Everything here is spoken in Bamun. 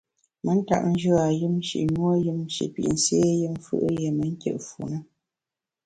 Me ntap njù a yùm, shi nuo yùm, shi pit nsé yùm fù’ yié me nkit fu ne.